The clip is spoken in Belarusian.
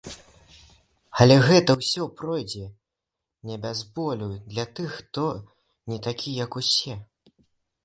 Але гэта ўсё пройдзе не без болю для тых, хто не такі, як усе.